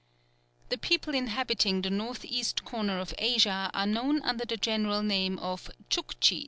The people inhabiting the north east corner of Asia are known under the general name of Tchouktchis.